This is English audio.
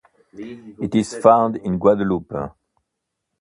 It is found in Guadeloupe.